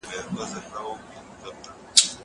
رسول الله ته د الله تعالی لخوا تسليت دی.